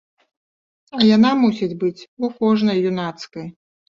А яна мусіць быць у кожнай юнацкай.